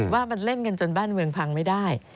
ว่ามันเล่นกันจนบ้านเมืองพังไม่ได้